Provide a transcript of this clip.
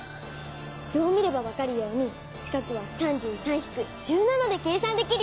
図を見ればわかるように四角は３３引く１７で計算できるよ。